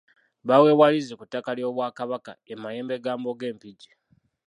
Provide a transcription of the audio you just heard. Baaweebwa liizi ku ttaka ly’Obwakabaka e Mayembegambogo e Mpigi.